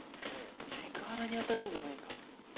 セクハラに当たるんじゃないか？